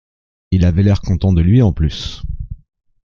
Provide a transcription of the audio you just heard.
Et il avait l’air content de lui, en plus !